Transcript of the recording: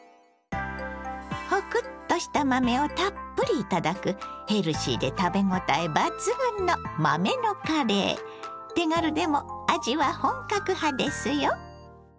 ホクッとした豆をたっぷり頂くヘルシーで食べごたえ抜群の手軽でも味は本格派ですよ。